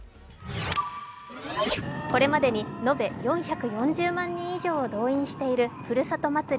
これまでに延べ４４０万人以上を動員しているふるさと祭り